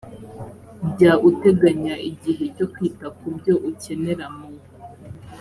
jya uteganya igihe cyo kwita ku byo ukenera mu